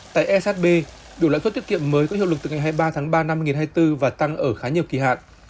tại shb biểu lãi suất tiết kiệm mới có hiệu lực từ ngày hai mươi ba tháng ba năm hai nghìn hai mươi bốn và tăng ở khá nhiều kỳ hạn